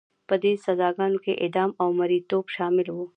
په دې سزاګانو کې اعدام او مریتوب شامل وو.